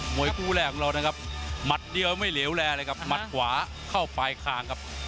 วยคู่แรกของเรานะครับหมัดเดียวไม่เหลวแลเลยครับหมัดขวาเข้าปลายคางครับ